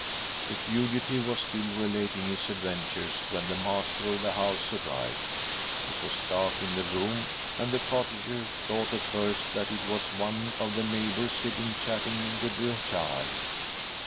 " The fugitive was still relating his adventures when the master of the house arrived. It was dark in the room, and the cottager thought at first that it was one" of the neighbours sitting chatting with the child.